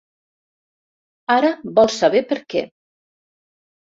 Ara vol saber per què.